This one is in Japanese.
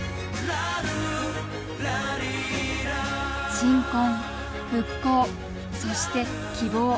鎮魂、復興、そして、希望。